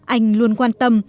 anh luôn quan tâm